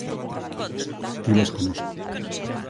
Ti vés connosco.